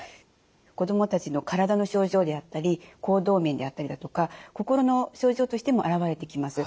子どもたちの体の症状であったり行動面であったりだとか心の症状としても現れてきます。